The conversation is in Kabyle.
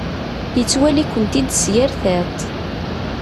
Yettwali-kent-id s yir tiṭ.